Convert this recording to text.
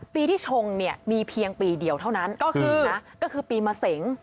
ปีที่ชงเนี่ยมีเพียงปีเดียวเท่านั้นก็คือปีมะเสง